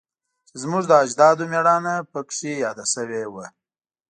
چې زموږ د اجدادو میړانه پکې یاده شوی وه